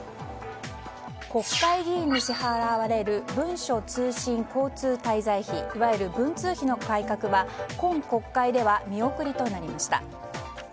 国会議員に支払われる文書通信交通滞在費いわゆる文通費の改革は今国会では見送りとなりました。